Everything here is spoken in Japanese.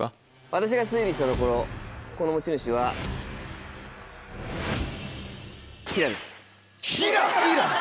私が推理したところこの持ち主はＫｉＬａです。